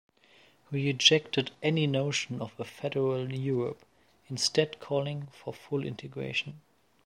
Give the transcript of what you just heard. He rejected any notion of a federal Europe, instead calling for full integration.